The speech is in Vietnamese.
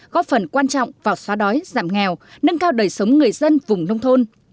góp phần quan trọng vào xóa đói giảm nghèo nâng cao đời sống người dân vùng nông thôn